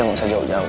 enggak usah jauh jauh